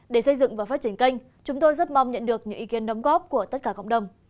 để xây dựng và phát triển kênh chúng tôi rất mong nhận được những ý kiến đóng góp của tất cả cộng đồng